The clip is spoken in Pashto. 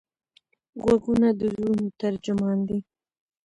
غوږونه د زړونو ترجمان دي